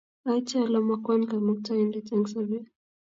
Aite ole makwon Kamuktaindet eng' sobet.